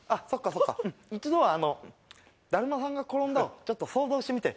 そっか一度はだるまさんがころんだをちょっと想像してみて